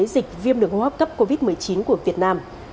dịch viêm đường hô hấp cấp covid một mươi chín của việt nam